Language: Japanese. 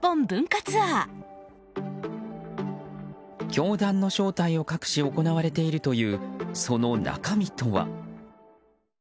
教団の正体を隠し行われているというその中身とは。